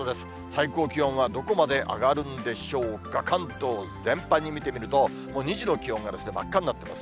最高気温はどこまで上がるんでしょうか、関東全般に見てみると、２時の気温が真っ赤になってます。